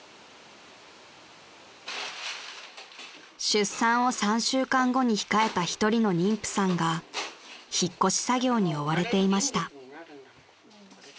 ［出産を３週間後に控えたひとりの妊婦さんが引っ越し作業に追われていました］